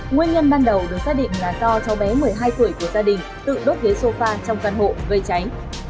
nguyên nhân ban đầu được xác định là do cháu bé một mươi hai tuổi của gia đình tự đốt ghế sofa trong căn hộ gây cháy